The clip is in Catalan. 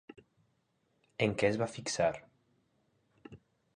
En què es va fixar?